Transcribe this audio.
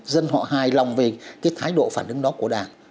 dân họ hài lòng về cái thái độ phản ứng đó của đảng